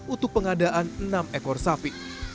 untuk pengadaan enam ekor sapi